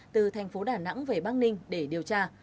từ thành phố đà nẵng về bắc ninh để điều tra